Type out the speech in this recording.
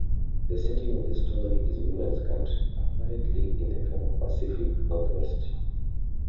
The setting of the story is Women's Country, apparently in the former Pacific Northwest.